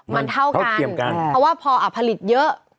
มันเท่ากันเพราะว่าพอผลิตเยอะ